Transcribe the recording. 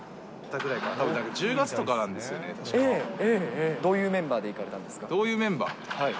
たぶん１０月とかなんですよね、どういうメンバーで行かれたどういうメンバー？